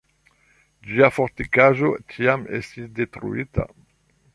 Ĝia fortikaĵo tiam estis detruita.